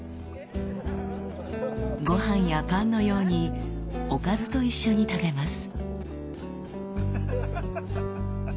ごはんやパンのようにおかずと一緒に食べます。